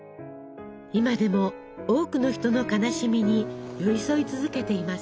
今でも多くの人の悲しみに寄り添い続けています。